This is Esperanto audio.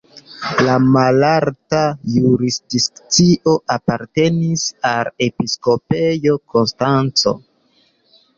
La malalta jurisdikcio apartenis al la Episkopejo Konstanco.